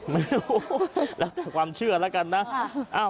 ไม่รู้แล้วแต่ความเชื่อแล้วกันนะ